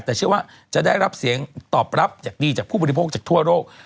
แต่เชื่อว่าจะได้รับเสียงตอบรับจากดีจากผู้บริโภคจากทั่วโลก